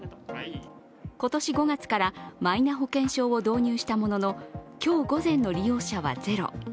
今年５月からマイナ保険証を導入したものの、今日午前の利用者はゼロ。